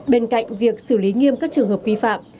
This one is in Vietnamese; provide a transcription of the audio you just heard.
bên cạnh việc xử lý nghiêm các trường hợp vi phạm